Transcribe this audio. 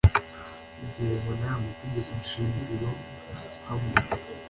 ugengwa n aya mategeko shingiro hamwe